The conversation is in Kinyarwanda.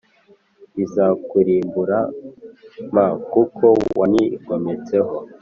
izakurimbura m kuko wanyigometseho